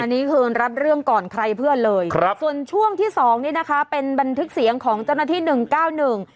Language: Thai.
อันนี้คือรับเรื่องก่อนใครเพื่อนเลยครับส่วนช่วงที่สองนี่นะคะเป็นบันทึกเสียงของเจ้าหน้าที่หนึ่งเก้าหนึ่ง